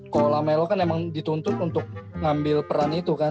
kalo lame lobo kan emang dituntut untuk ngambil peran itu kan